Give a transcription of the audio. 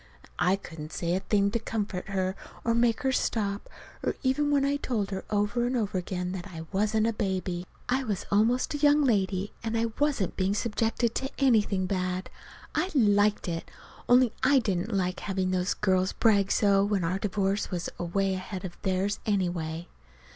And I couldn't say a thing to comfort her, or make her stop, even when I told her over and over again that I wasn't a baby. I was almost a young lady; and I wasn't being subjected to anything bad. I liked it only I didn't like to have those girls brag so, when our divorce was away ahead of theirs, anyway.